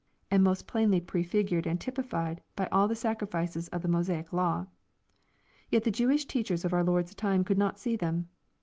and most plainly prefigured and typified by all the sacrifices of the Mosaic law. Yet the Jewish teachers of our Lord's time could not see them.